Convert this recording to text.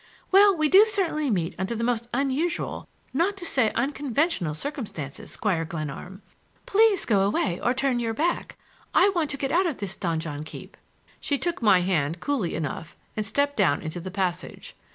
Well, we do certainly meet under the most unusual, not to say unconventional, circumstances, Squire Glenarm. Please go away or turn your back. I want to get out of this donjon keep." She took my hand coolly enough and stepped down into the passage.